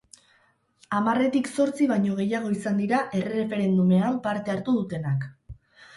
Hamarretik zortzi baino gehiago izan dira erreferendumean parte hartu dutenak.